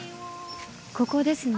ここですね。